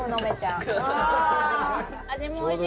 「味もおいしい！